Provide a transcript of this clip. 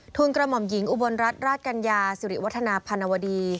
กระหม่อมหญิงอุบลรัฐราชกัญญาสิริวัฒนาพันวดี